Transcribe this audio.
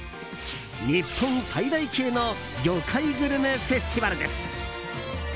日本最大級の魚介グルメフェスティバルです。